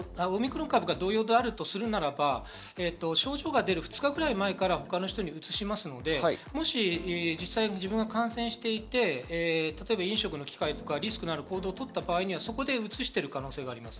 この感染症はこれまでも同様、オミクロン株が同様であるとするならば症状が出る２日ぐらい前から他の人にうつしますので、もし実際、自分が感染していて、例えば飲食の機会やリスクのある行動をとった場合、そこでうつしている可能性がある。